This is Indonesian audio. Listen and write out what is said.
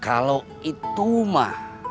kalau itu mah